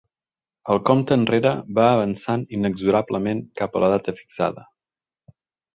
El compte enrere va avançant inexorablement cap a la data fixada.